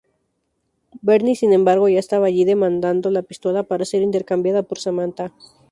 Bernie, sin embargo, ya estaba allí, demandando la pistola para ser intercambiada por Samantha.